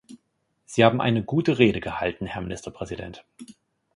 Sie haben eine gute Rede gehalten, Herr Ministerpräsident.